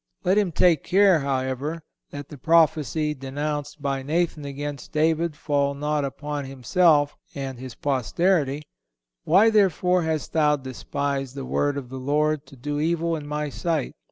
Let him take care, however, that the prophecy denounced by Nathan against David fall not upon himself and his posterity: "Why, therefore, hast thou despised the word of the Lord, to do evil in My sight?